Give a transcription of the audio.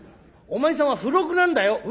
お前さんは付録なんだよ」。